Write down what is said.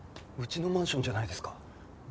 うちのマンションじゃないですか。